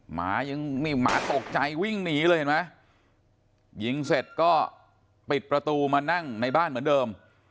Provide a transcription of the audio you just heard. หมายังนี่หมาตกใจวิ่งหนีเลยเห็นไหมยิงเสร็จก็ปิดประตูมานั่งในบ้านเหมือนเดิม